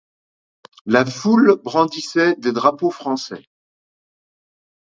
La foule brandissait des drapeaux français.